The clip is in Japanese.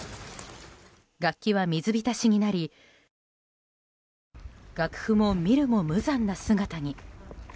楽器は水浸しになり楽譜も、見るも無残な姿に。